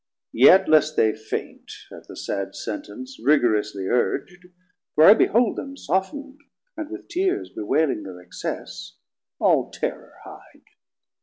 Yet least they faint At the sad Sentence rigorously urg'd, For I behold them soft'nd and with tears 110 Bewailing thir excess, all terror hide.